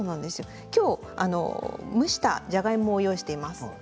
今日、蒸したじゃがいもを用意しています。